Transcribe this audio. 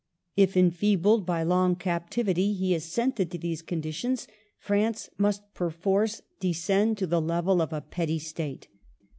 If, enfeebled by long cap tivity, he assented to these conditions, France must perforce descend to the level of a petty State.